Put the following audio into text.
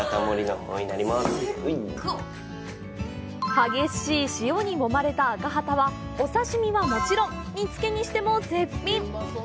激しい潮にもまれたアカハタはお刺身はもちろん、煮つけにしても絶品。